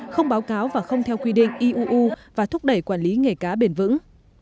không báo cáo và không theo quy định iuu và thúc đẩy quản lý nghề cá bền vững